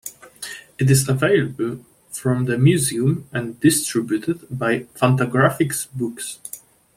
It is available from the Museum and distributed by Fantagraphics Books.